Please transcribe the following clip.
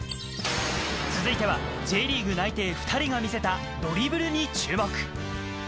続いては、Ｊリーグ内定２人が見せたドリブルに注目。